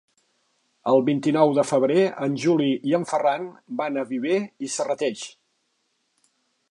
El vint-i-nou de febrer en Juli i en Ferran van a Viver i Serrateix.